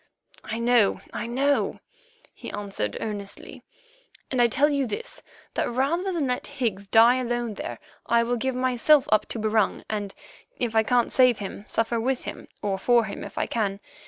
"I know, I know," he answered earnestly; "and I tell you this, that rather than let Higgs die alone there, I will give myself up to Barung, and, if I can't save him, suffer with him, or for him if I can.